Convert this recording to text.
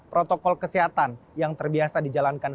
protokol kesehatan yang terbiasa dijalankan